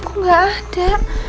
kok gak ada